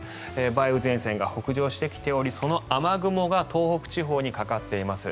梅雨前線が北上してきておりその雨雲が東北地方にかかっています。